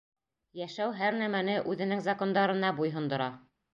Йәшәү һәр нәмәне үҙенең закондарына буйһондора.